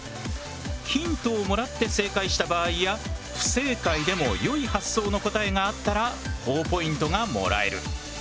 ヒントをもらって正解した場合や不正解でも良い発想の答えがあったらほぉポイントがもらえる。